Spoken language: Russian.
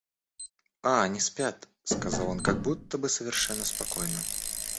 — А они спят, — сказал он как будто бы совершенно спокойно.